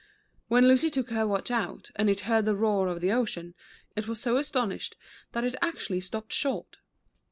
When Lucy took her watch out, and it heard the roar of the ocean, it was so astonished that it actually stopped short.